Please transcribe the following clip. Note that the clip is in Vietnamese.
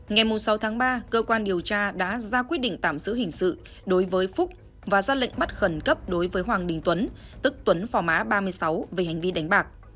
ngày sáu tháng ba cơ quan điều tra đã ra quyết định tạm giữ hình sự đối với phúc và ra lệnh bắt khẩn cấp đối với hoàng đình tuấn tức tuấn phò má ba mươi sáu về hành vi đánh bạc